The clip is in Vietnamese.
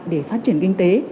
để phát triển kinh tế